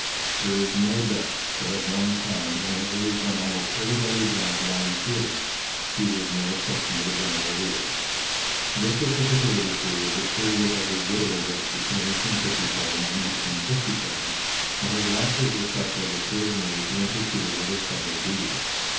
There is no doubt that at one time in an age when almost everybody drank wine freely he was no exception to the general rule. This was particularly true of the period of his widowerhood, between 1857 and 1867, when his lapses were such as occasionally to interfere with his public duties.